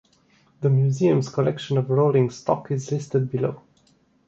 The museum's collection of rolling stock is listed below.